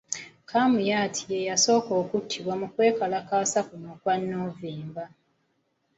Kamuyat ye yasooka okuttibwa mu kwekalakaasa kuno okwa Novemba .